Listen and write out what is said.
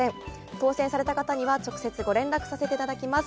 当せんされた方には、直接ご連絡させていただきます。